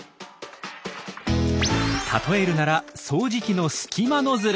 例えるなら掃除機の「隙間ノズル」。